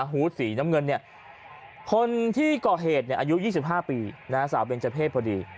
ฮูตสีน้ำเงินเนี่ยคนที่ก่อเหตุอายุ๒๕ปีสาวเบนเจอร์เพศพอดี